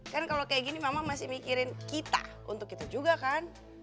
kan kalau kayak gini mama masih mikirin kita untuk itu juga kan